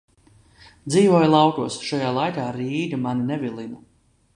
Dzīvoju laukos, šajā laikā Rīga mani nevilina.